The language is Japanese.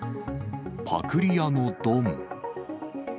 パクリ屋のドン。